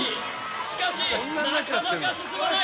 しかし、なかなか進まない。